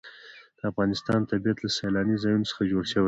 د افغانستان طبیعت له سیلاني ځایونو څخه جوړ شوی دی.